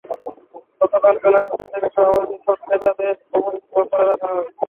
গতকাল বেলা একটা থেকে সভাপতির কক্ষে তাঁদের অবরুদ্ধ করে রাখা হয়।